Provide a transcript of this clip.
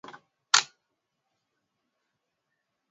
Bwana mkubwa ainuliwe.